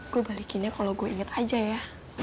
gue balikinnya kalau gue inget aja ya